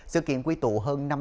sự kiện quy tụ hơn năm trăm linh